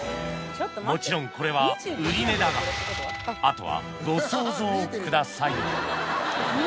もちろんこれは売値だがあとはご想像ください